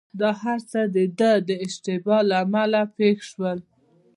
دا هرڅه دده د اشتباه له امله پېښ شول.